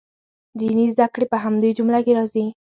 دیني زده کړې په همدې جمله کې راځي.